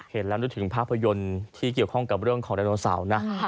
เห็นแล้วนึกถึงภาพยนตร์ที่เกี่ยวข้องกับเรื่องของไดโนเสาร์นะ